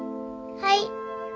はい。